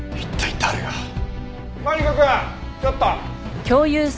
マリコくんちょっと。